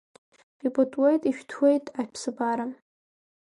Ипытуеит, ишәҭуеит аԥсабара!